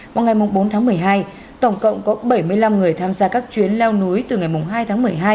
vào ngày bốn tháng một mươi hai tổng cộng có bảy mươi năm người tham gia các chuyến leo núi từ ngày hai tháng một mươi hai